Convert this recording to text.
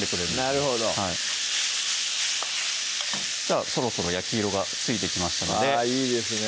なるほどじゃあそろそろ焼き色がついてきましたのであいいですね